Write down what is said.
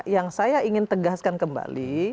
yang saya ingin tegaskan kembali